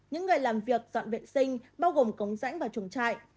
những người làm việc dọn vệ sinh bao gồm cống rãnh và chuồng trại